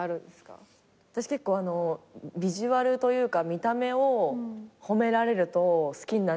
私結構ビジュアルというか見た目を褒められると好きになる。